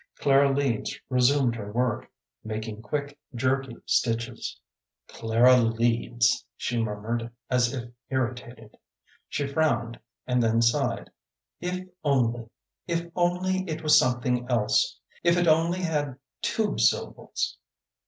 Clara Leeds resumed her work, making quick, jerky stitches. "Clara Leeds," she murmured, as if irritated. She frowned and then sighed. "If only if only it was something else; if it only had two syllables...."